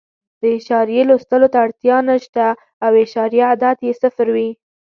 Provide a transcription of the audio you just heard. د اعشاریې لوستلو ته اړتیا نه شته او اعشاریه عدد یې صفر وي.